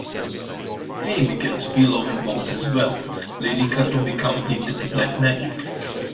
Amy gets Willow involved as well, leading her to become addicted to black magic.